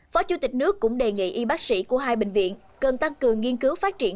phó chủ tịch nước cũng đề nghị y bác sĩ của hai bệnh viện cần tăng cường nghiên cứu phát triển